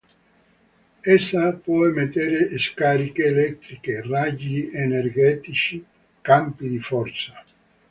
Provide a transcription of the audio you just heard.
Essa può emettere scariche elettriche, raggi energetici, campi di forza.